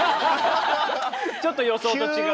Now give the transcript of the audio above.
ちょっと予想と違う。